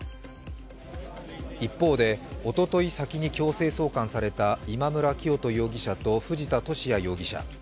一方で、おととい先に強制送還された今村磨人容疑者と藤田聖也容疑者。